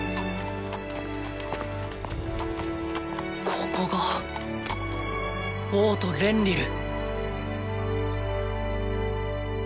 ここが王都レンリル！